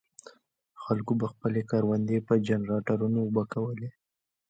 خلکو به خپلې کروندې په جنراټورونو اوبه کولې.